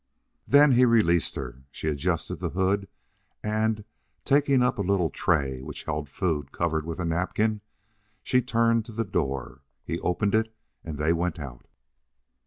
Then he released her. She adjusted the hood and, taking up a little tray which held food covered with a napkin, she turned to the door. He opened it and they went out.